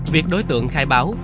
việc đối tượng khai báo